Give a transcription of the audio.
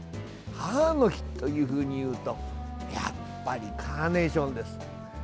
母の日というふうにいうとやっぱりカーネーションです。